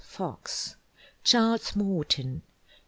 Charles Morton.